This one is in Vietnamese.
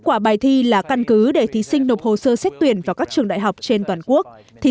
quả bài thi là căn cứ để thí sinh nộp hồ sơ xét tuyển vào các trường đại học trên toàn quốc thì